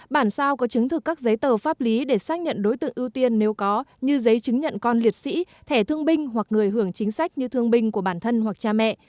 bản sao có chứng thực các giấy tờ pháp lý để xác nhận đối tượng ưu tiên nếu có như giấy chứng nhận con liệt sĩ thẻ thương binh hoặc người hưởng chính sách như thương binh của bản thân hoặc cha mẹ